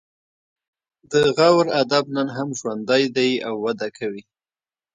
د غور ادب نن هم ژوندی دی او وده کوي